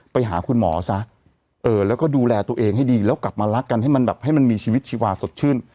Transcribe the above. ไปหาคุณหมอซะแล้วก็ดูแลตัวเองให้ดีแล้วกลับมารักกันให้มันแบบให้มันมีชีวิตชีวาสดชื่น